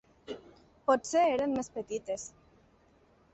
Potser eren més petites.